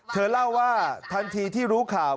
เธอเล่าว่าทันทีที่รู้ข่าว